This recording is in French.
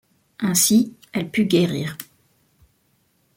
Ainsi, elle put guérir.